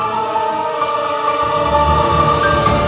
siapa dia sebenarnya